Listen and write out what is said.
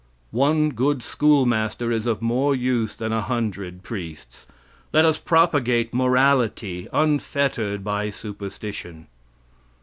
"One good school master is of more use than a hundred priests. Let us propagate morality, unfettered by superstition.